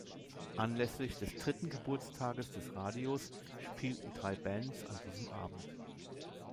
Anlässlich des dritten Geburtstages des Radios spielten drei Bands an diesem Abend.